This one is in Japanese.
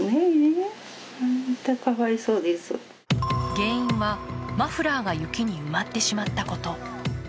原因はマフラーが雪に埋まってしまったこと。